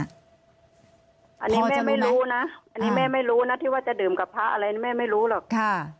อันนี้แม่ไม่รู้นะที่ว่าจะดื่มกับพระอะไรแม่ไม่รู้หรอก